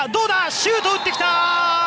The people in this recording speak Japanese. シュートを打ってきた。